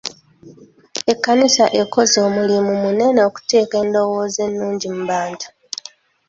Ekkanisa ekoze omulimu munene okuteeka endowooza ennungi mu bantu .